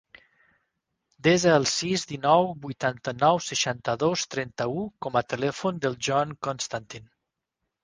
Desa el sis, dinou, vuitanta-nou, seixanta-dos, trenta-u com a telèfon del Jon Constantin.